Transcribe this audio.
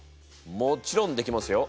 もちろんできますよ。